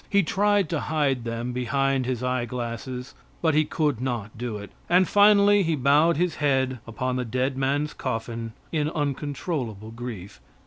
He tried to hide them behind his eye glasses, but he could not do it, and finally he bowed his head upon the dead man's coffin in uncontrollable grief.